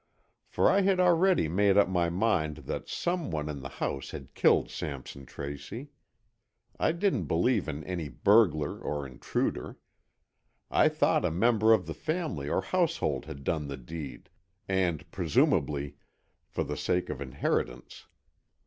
For I had already made up my mind that some one in the house had killed Sampson Tracy. I didn't believe in any burglar or intruder. I thought a member of the family or household had done the deed, and, presumably, for the sake of inheritance.